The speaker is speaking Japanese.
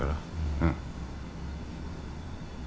うん。